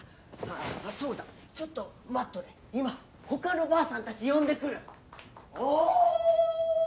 そうだちょっと待っとれ今ほかのばあさんたち呼んでくるおーい！